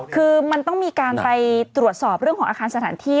คือมันต้องมีการไปตรวจสอบเรื่องของอาคารสถานที่